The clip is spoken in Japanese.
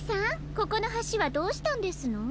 ここのはしはどうしたんですの？